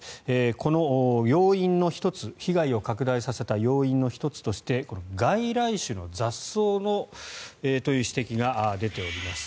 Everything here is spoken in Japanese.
この被害を拡大させた要因の１つとして外来種の雑草という指摘が出ております。